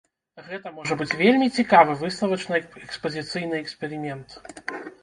Гэта можа быць вельмі цікавы выставачна-экспазіцыйны эксперымент.